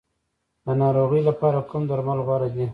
د ناروغۍ لپاره کوم درمل غوره دي؟